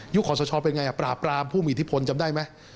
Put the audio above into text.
ขอสชเป็นไงปราบปรามผู้มีอิทธิพลจำได้ไหม